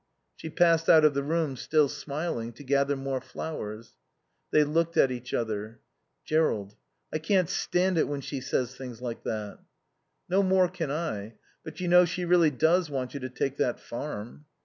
She passed out of the room, still smiling, to gather more flowers. They looked at each other. "Jerrold, I can't stand it when she says things like that." "No more can I. But you know, she really does want you to take that farm."